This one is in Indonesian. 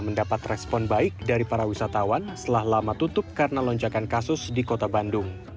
mendapat respon baik dari para wisatawan setelah lama tutup karena lonjakan kasus di kota bandung